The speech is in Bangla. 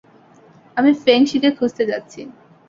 আমি ফেং-শিকে খুঁজতে যাচ্ছি।